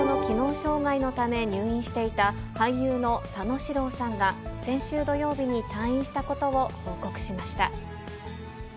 障害のため入院していた俳優の佐野史郎さんが、先週土曜日に退院したことを報告しました。